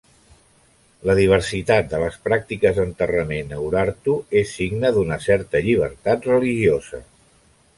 La diversitat de les pràctiques d'enterrament a Urartu és signe d'una certa llibertat religiosa.